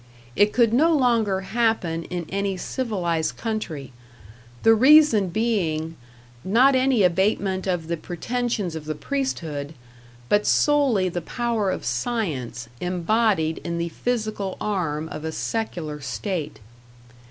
It could no longer happen in any civilized country; the reason being, not any abatement of the pretensions of the priesthood, but solely the power of science, embodied in the physical arm of a secular State.